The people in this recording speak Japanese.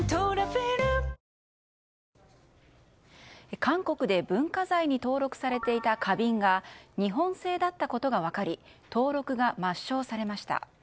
韓国で文化財に登録されていた花瓶が日本製だったことがわかり登録が抹消されました。